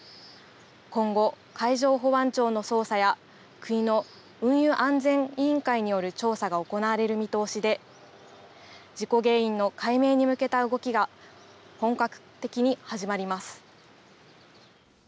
今後、海上保安庁の捜査や、国の運輸安全委員会による調査が行われる見通しで、事故原因の解明に向けた動きが本格的に始まります。